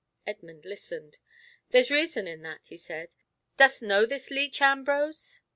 Edmund listened. "There's reason in that," he said. "Dost know this leech, Ambrose?"